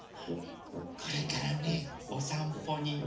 これからねおさんぽにいくの。